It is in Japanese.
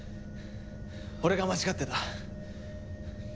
俺が間違ってた。